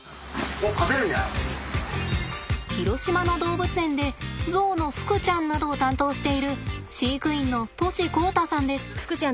広島の動物園でゾウのふくちゃんなどを担当している飼育員の杜師弘太さんです。